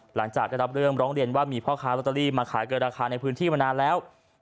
หลังจากได้รับเรื่องร้องเรียนว่ามีพ่อค้าลอตเตอรี่มาขายเกินราคาในพื้นที่มานานแล้ว